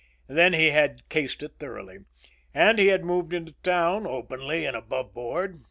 Then he had cased it thoroughly. And he had moved into town, openly and aboveboard.